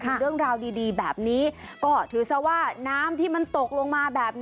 มีเรื่องราวดีแบบนี้ก็ถือซะว่าน้ำที่มันตกลงมาแบบนี้